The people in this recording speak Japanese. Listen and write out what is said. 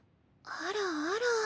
あらあら。